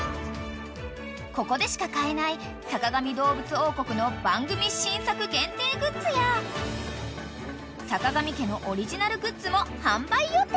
［ここでしか買えない『坂上どうぶつ王国』の番組新作限定グッズやさかがみ家のオリジナルグッズも販売予定］